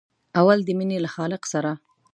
اول د مینې له خالق سره.